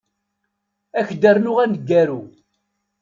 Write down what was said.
Ad ak-d-rnuɣ aneggaru.